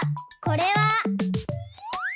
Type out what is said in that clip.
これは。